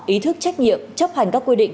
ý thức trách nhiệm chấp hành các quy định